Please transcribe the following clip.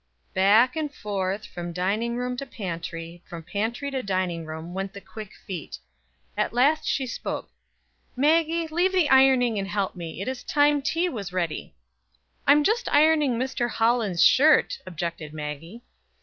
Back and forth, from dining room to pantry, from pantry to dining room, went the quick feet At last she spoke: "Maggie, leave the ironing and help me; it is time tea was ready." "I'm just ironing Mr. Holland's shirt," objected Maggie.